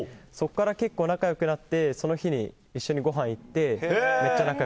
そこから結構仲良くなってその日に一緒にごはんに行ってめっちゃ